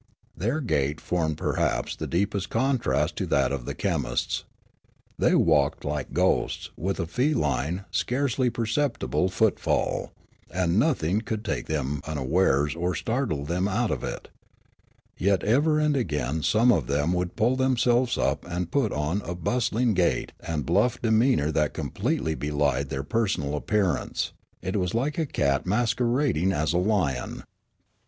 Their gait formed per haps the deepest contrast to that of the chemists ; they walked like ghosts, with a feline, scarcely perceptible footfall ; and nothing could take them unawares or startle them out of it ; yet ever and again some of them would pull themselves up and put on a bustling gait and bluff demeanour that completely belied their personal appearance ; it was like a cat masquerading as a lion.